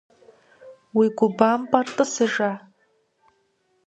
Уи гу бэмпӀар тӀысыжа?